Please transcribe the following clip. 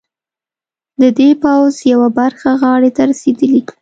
د دې پوځ یوه برخه غاړې ته رسېدلي.